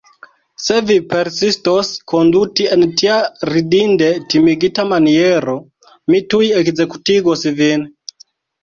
Se vi persistos konduti en tia ridinde timigita maniero, mi tuj ekzekutigos vin.